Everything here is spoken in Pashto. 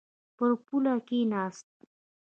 پر پوله کښېناست.